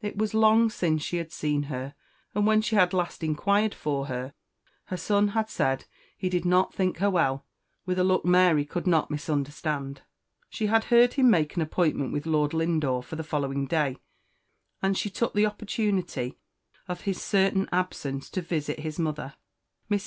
It was long since she had seen her; and when she had last inquired for her, her son had said he did not think her well, with a look Mary could not misunderstand. She had heard him make an appointment with Lord Lindore for the following day, and she took the opportunity of his certain absence to visit his mother. Mrs.